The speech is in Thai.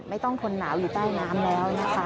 ไม่ต้องทนหนาวอยู่ใต้น้ำแล้วนะคะ